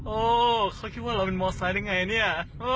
โอ้เขาคิดว่าเราเป็นมอไซค์ได้ไงเนี่ย